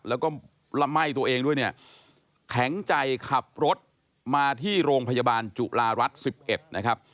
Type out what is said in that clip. แล้วก็ละไหม้ตัวเองด้วยเนี่ยแข็งใจขับรถมาที่โรงพยาบาลจุฬารัฐ๑๑นะครับ